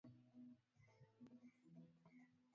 serikali hailifahamu ni kuwa hapa Marondera ujio wake unatosha